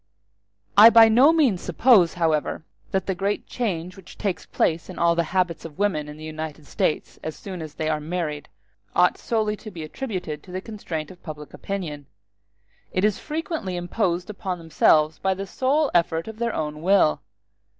I by no means suppose, however, that the great change which takes place in all the habits of women in the United States, as soon as they are married, ought solely to be attributed to the constraint of public opinion: it is frequently imposed upon themselves by the sole effort of their own will.